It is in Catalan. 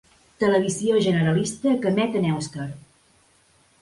Televisió generalista que emet en èuscar.